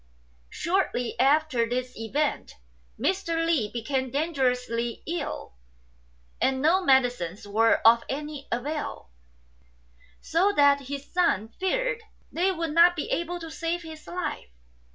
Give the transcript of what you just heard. Shortly after these events Mr. Li became dangerously ill, and no medicines were of any avail, so that his son feared they would not be able to save his life.